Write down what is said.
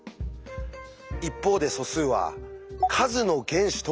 一方で素数は「数の原子」とも呼ばれています。